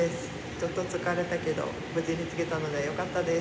ちょっと疲れたけど無事に着けてよかったです。